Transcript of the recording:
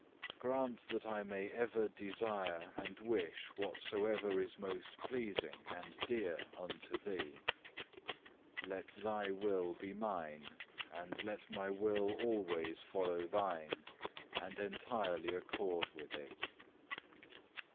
Grant that I may ever desire and wish whatsoever is most pleasing and dear unto Thee. Let Thy will be mine, and let my will alway follow Thine, and entirely accord with it.